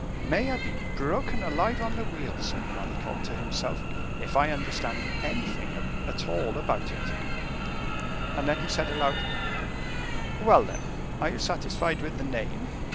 "May I be broken alive on the wheel," said Malicorne to himself, "if I understand anything at all about it," and then he said aloud, "Well, then, are you satisfied with the name?"